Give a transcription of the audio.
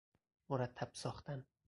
مرتب ساختن